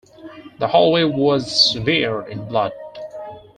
The hallway was smeared in blood.